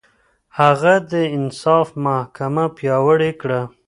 هغه د انصاف محکمه پياوړې کړه.